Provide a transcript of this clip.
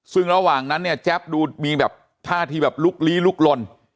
ซึ่งระหว่างนั้นเนี่ยแจ๊บดูมีแบบท่าทีแบบลุกลี้ลุกลน